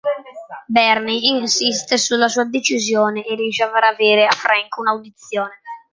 Bernie insiste sulla sua decisione e riesce a far avere a Frank una audizione.